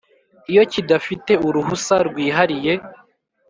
iyo kidafite uruhusa rwihariye